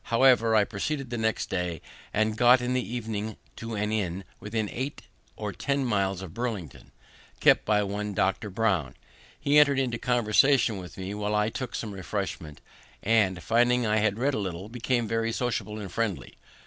However, I proceeded the next day, and got in the evening to an inn, within eight or ten miles of Burlington, kept by one Dr. Brown. He entered into conversation with me while I took some refreshment, and, finding I had read a little, became very sociable and friendly.